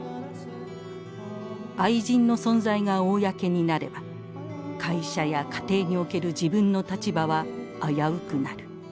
愛人の存在が公になれば会社や家庭における自分の立場は危うくなる。